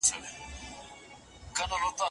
شاه شجاع به هر کال آسونه لیږي.